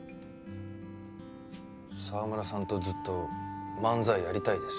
澤村さんとずっと漫才やりたいですよ。